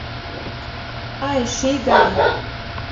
Ай, ший гане